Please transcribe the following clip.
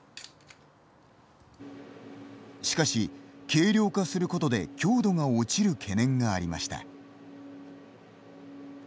しかし、軽量化することで強度が落ちる懸念がありました。